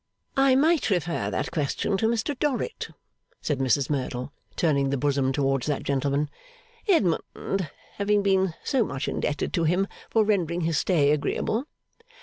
'I might refer that question to Mr Dorrit,' said Mrs Merdle, turning the bosom towards that gentleman; 'Edmund having been so much indebted to him for rendering his stay agreeable.